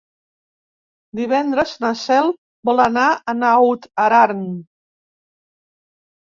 Divendres na Cel vol anar a Naut Aran.